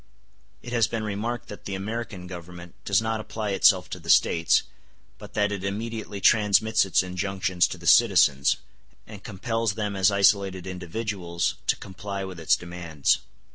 It has been remarked that the American Government does not apply itself to the States, but that it immediately transmits its injunctions to the citizens, and compels them as isolated individuals to comply with its demands.